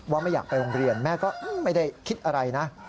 ไม่อยากไปโรงเรียนแม่ก็ไม่ได้คิดอะไรนะ